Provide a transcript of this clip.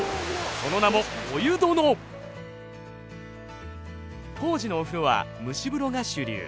その名も当時のお風呂は蒸し風呂が主流。